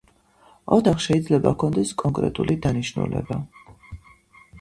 ოთახს შეიძლება ჰქონდეს კონკრეტული დანიშნულება.